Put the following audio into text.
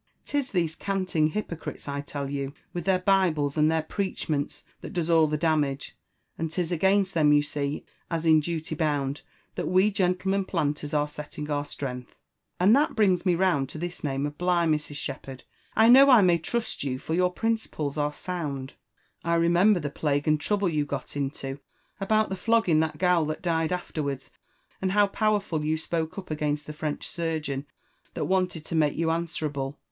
'Tis these canting hypocrites, I tell you, with their Bibles and their preachments, that does all the damage ; and 'tis against them, you see, as in duty bound, that we gentlemen planters are setting our strength. And that brings me round to this name of Bligh, Mrs. Siiepherd. I know I may trust you, for your principles are sound : I remember the plague and trouble you got into about the flogging that gal that died afterwards, and how powerful you spoke up against the French surgeon that wanted to make you answerable.